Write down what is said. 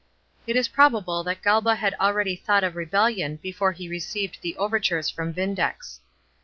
It is probable that Galba had already thought of rebellion before he received the overtures from Vindex.